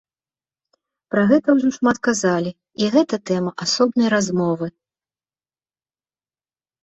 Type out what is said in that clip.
Пра гэта ўжо шмат казалі, і гэта тэма асобнай размовы.